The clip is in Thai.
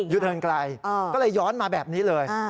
เดินไกลก็เลยย้อนมาแบบนี้เลย